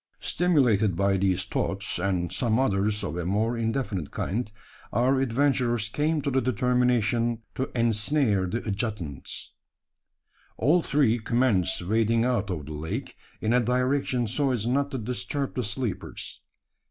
Stimulated by these thoughts and some others of a more indefinite kind our adventurers came to the determination to ensnare the adjutants! All three commenced wading out of the lake in a direction so as not to disturb the sleepers.